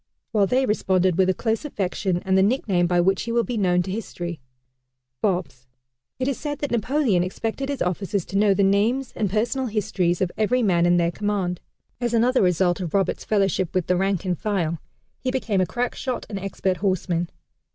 While they responded with a close affection and the nickname by which he will be known to history "Bobs." It is said that Napoleon expected his officers to know the names and personal histories of every man in their command. As another result of Roberts' fellowship with the rank and file he became a crack shot and expert horseman.